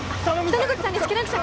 北之口さんです！